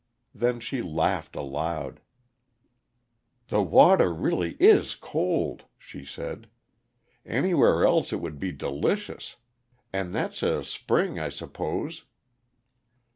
Then she laughed aloud. "The water really is cold," she said. "Anywhere else it would be delicious. And that's a spring, I suppose."